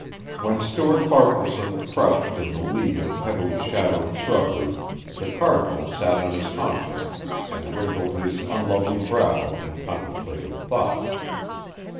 When Stuart Farquaharson crouched in the lee of heavily shadowed shrubbery the Cardinal sat on his haunches and wrinkled his unlovely brow in contemplative thought.